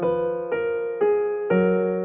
là ai à